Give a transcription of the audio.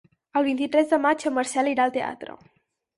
El vint-i-tres de maig en Marcel irà al teatre.